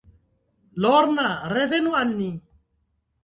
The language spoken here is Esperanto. Lorna, revenu al ni.